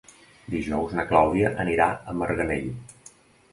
Dijous na Clàudia anirà a Marganell.